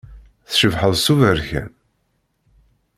Tcebḥeḍ s uberkan.